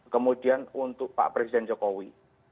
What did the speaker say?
kemudian untuk pak presiden jokowi